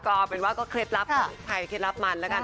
ก็เป็นว่าก็เคล็ดลับของใครเคล็ดลับมันแล้วกัน